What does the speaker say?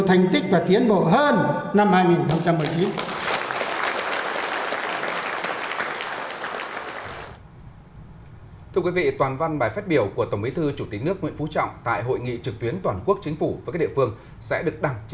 thành tích và tiến bộ hơn